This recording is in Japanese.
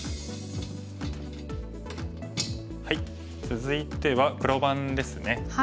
続いては黒番ですね。